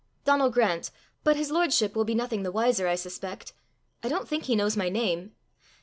"Donal Grant; but his lordship will be nothing the wiser, I suspect; I don't think he knows my name.